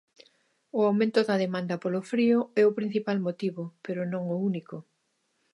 O aumento da demanda polo frío é o principal motivo, pero non o único.